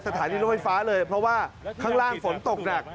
สถานีรถไฟฟ้าเลยเพราะว่าข้างล่างฝนตกหนัก